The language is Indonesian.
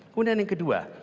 kemudian yang kedua